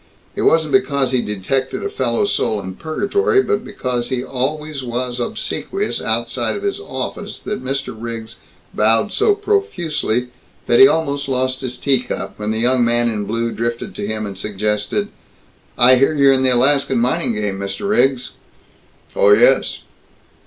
It wasn't because he detected a fellow soul in purgatory but because he always was obsequious outside of his office that Mr. Riggs bowed so profusely that he almost lost his tea cup, when the young man in blue drifted to him and suggested, "I hear you're in the Alaskan mining game, Mr. Riggs." "Oh yes."